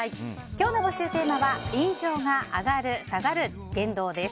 今日の募集テーマは印象が上がる・下がる言動です。